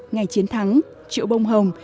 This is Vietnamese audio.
ngày chiến thắng triệu bông hồng